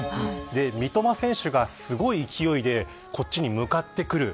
三笘選手がすごい勢いで、こっちに向かってくる。